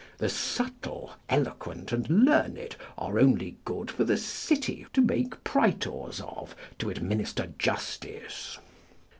The subtle, eloquent, and learned are only good for the city, to make praetors of, to administer justice."